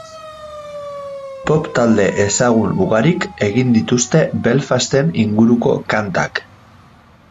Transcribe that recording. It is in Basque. Pop talde ezagun ugarik egin dituzte Belfasten inguruko kantak.